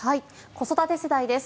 子育て世代です。